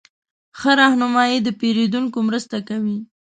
ښه رهنمایي د پیرودونکو مرسته کوي.